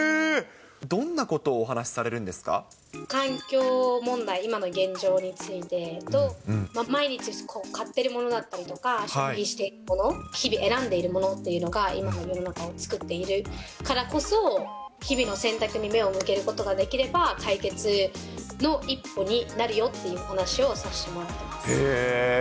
どんなことをお話され環境問題、今の現状についてと、毎日買ってるものだったりとか、消費しているもの、日々選んでいるものっていうのが、今の世の中を作っているからこそ、日々の選択に目を向けることができれば、解決の一歩になるよっていうお話をさせてもらってます。